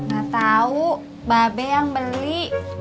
gak tahu babe yang beli